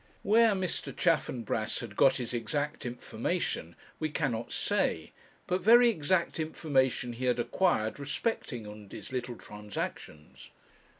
Where Mr. Chaffanbrass had got his exact information, we cannot say; but very exact information he had acquired respecting Undy's little transactions.